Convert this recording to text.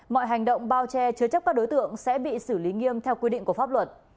mọi hành động bao che chứa chấp các đối tượng sẽ bị xử lý nghiêm theo quy định của pháp luật